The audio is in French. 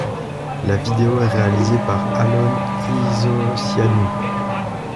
La vidéo est réalisée par Alon Isocianu.